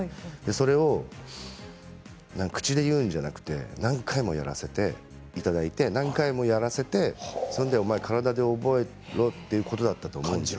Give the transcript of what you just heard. それを口で言うんじゃなくて何回もやらせていただいてお前、体で覚えろよということだったと思うんです